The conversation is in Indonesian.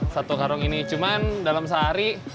satu karung ini cuma dalam sehari